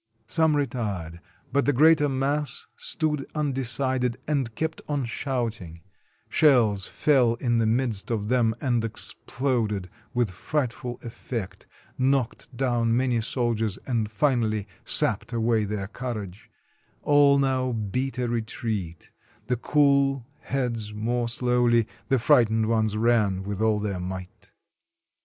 Some retired, but the greater mass stood undecided, and kept on shout ing; shells fell in the midst of them and exploded with frightful effect, knocked down many soldiers, and finally sapped away their courage; all now beat a retreat, the cool heads more slowly, the frightened ones ran with all their might.